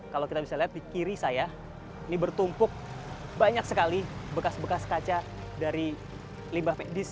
kalau kita bisa lihat di kiri saya ini bertumpuk banyak sekali bekas bekas kaca dari limbah medis